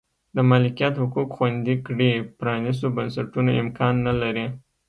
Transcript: د مالکیت حقوق خوندي کړي پرانیستو بنسټونو امکان نه لري.